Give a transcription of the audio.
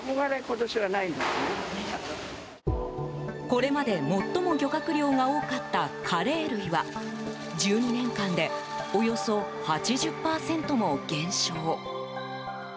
これまで最も漁獲量が多かったカレイ類は１２年間でおよそ８０％も減少。